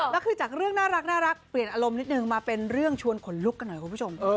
แล้วคือจากเรื่องน่ารักเปลี่ยนอารมณ์นิดนึงมาเป็นเรื่องชวนขนลุกกันหน่อยคุณผู้ชม